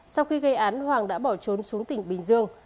sau khi gây án hoàng đã bỏ trốn xuống tỉnh bình dương